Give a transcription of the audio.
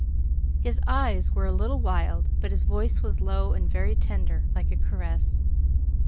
His eyes were a little wild, but his voice was low and very tender, like a caress.